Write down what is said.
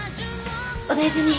お大事に。